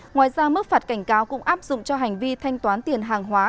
ngoài ra mức phạt cảnh cáo cũng áp dụng cho hành vi thanh toán tiền hàng hóa